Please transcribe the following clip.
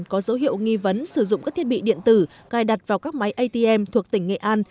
có dấu hiệu nghi vấn sử dụng các thiết bị điện tử cài đặt vào các máy atm thuộc tỉnh nghệ an